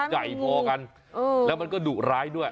ใหญ่พอกันแล้วมันก็ดุร้ายด้วย